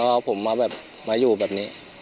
แล้วผมมาอยู่แบบเนี่ย